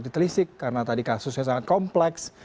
ditelisik karena tadi kasusnya sangat kompleks